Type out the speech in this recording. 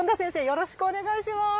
よろしくお願いします。